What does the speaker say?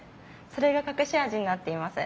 それが隠し味になっています。